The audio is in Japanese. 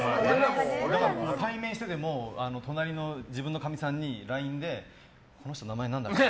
対面してても隣の自分のかみさんにＬＩＮＥでこの人、名前何だっけ？